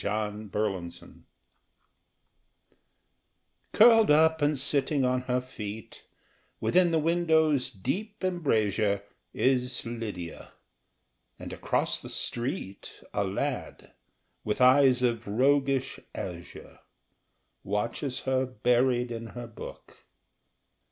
L'EAU DORMANTE Curled up and sitting on her feet, Within the window's deep embrasure, Is Lydia; and across the street, A lad, with eyes of roguish azure, Watches her buried in her book.